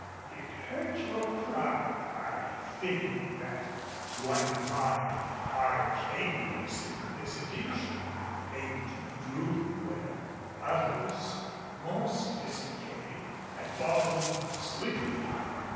It hurt your pride, I think, that one of my Arcadian simplicity should fail to droop where others, more sophisticated, had fallen swiftly.